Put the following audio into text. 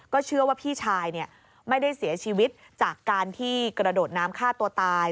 เชื่อว่าพี่ชายไม่ได้เสียชีวิตจากการที่กระโดดน้ำฆ่าตัวตาย